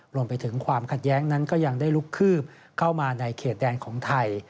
รวมไปถึงความขัดแย้งนั้นก็ยังได้ลุกคืบเข้ามาในเขตแดนของไทย